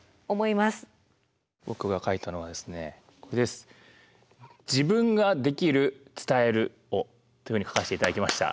僕が書いたのはですねこれです。というふうに書かせて頂きました。